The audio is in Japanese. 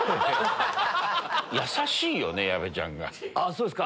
そうっすか？